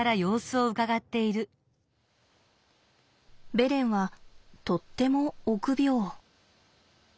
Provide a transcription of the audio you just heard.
ベレンはとっても臆病。